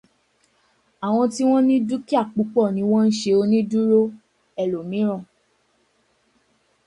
Àwọn tí wọ́n ní dúkìá púpọ̀ ni wọ́n ń ṣe onídùúró ẹlòmíràn.